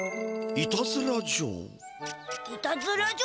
いたずら城？